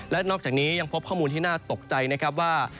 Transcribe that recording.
และนอกจากนี้ยังพบข้อมูลที่น่าตกใจนะครับว่า